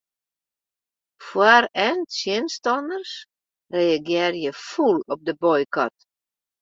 Foar- en tsjinstanners reagearje fûl op de boykot.